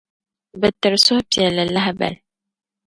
bɛ tiri suhupεlli lahibali.